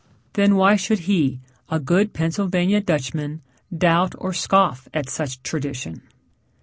Then why should he, a good Pennsylvania Dutchman, doubt or scoff at such tradition?